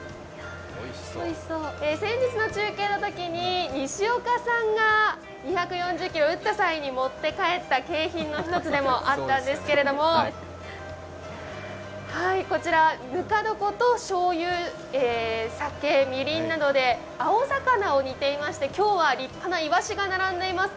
先日の中継のときに西岡さんが２４０キロ打った際に持って帰った景品でもあったんですけど、こちら、ぬか床としょうゆ、酒、みりんなどで青魚を煮てまして今日は立派なイワシが並んでいます。